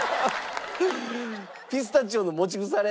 ピスタチオの持ち腐れ？